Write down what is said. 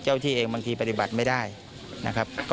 ที่เองบางทีปฏิบัติไม่ได้นะครับ